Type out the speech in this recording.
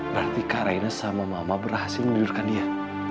berarti kak raina sama mama berhasil menyeluruhkan dia